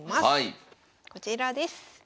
こちらです。